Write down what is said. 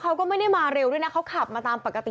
เขาก็ไม่ได้มาเร็วด้วยนะเขาขับมาตามปกติ